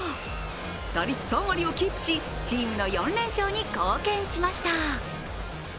打率３割をキープし、チームの４連勝に貢献しました。